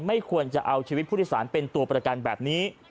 ไม่ควรจะเอาชีวิตผู้โดยสารเป็นตัวประกันแบบนี้